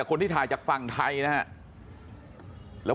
คนที่ถ่ายจากฝั่งไทยนะครับ